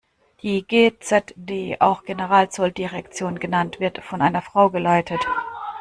Die G-Z-D, auch Generalzolldirektion genannt wird von einer Frau geleitet.